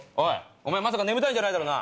お前まさか眠たいんじゃないだろうな？